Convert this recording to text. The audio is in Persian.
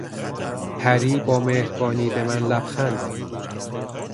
پری با مهربانی به من لبخند زد.